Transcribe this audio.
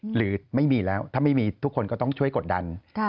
หรือไม่มีแล้วถ้าไม่มีทุกคนก็ต้องช่วยกดดัน